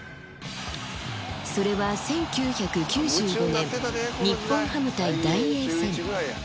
それは１９９５年、日本ハム対ダイエー戦。